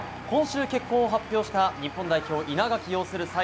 今週、結婚を発表した日本代表稲垣擁する